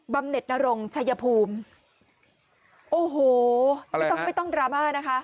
ำเน็ตนรงชัยภูมิโอ้โหไม่ต้องไม่ต้องดราม่านะคะ